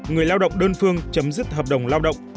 người lao động đơn phương chấm dứt hợp đồng lao động